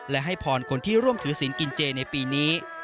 และให้พรคนที่ร่วมถือศีลกินเจในปีนี้